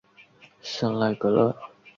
圣赖格勒。